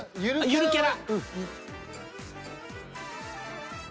ゆるキャラ。